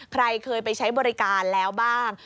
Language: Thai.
ใครเคยไปใช้บริการแล้วบ้าง